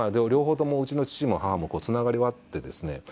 両方ともうちの父も母もつながりはあってですね。